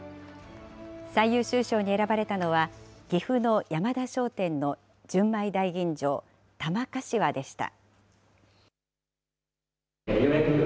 最優秀賞に選ばれたのは、岐阜の山田商店の純米大吟醸、玉柏でした。